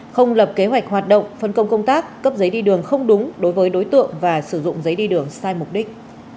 không lập kế hoạch hoạt động phân công công tác cấp giấy đi đường không đúng đối với đối tượng và sử dụng giấy đi đường sai mục đích